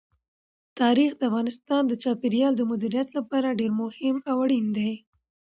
تاریخ د افغانستان د چاپیریال د مدیریت لپاره ډېر مهم او اړین دي.